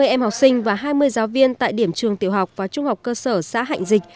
ba trăm năm mươi em học sinh và hai mươi giáo viên tại điểm trường tiểu học và trung học cơ sở xã hạnh dịch